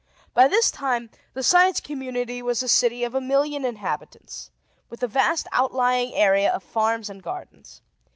By this time, the Science Community was a city of a million inhabitants, with a vast outlying area of farms and gardens.